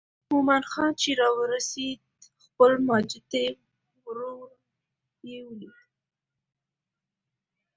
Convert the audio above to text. مومن خان چې راورسېد خپل ماجتي ورور یې ولید.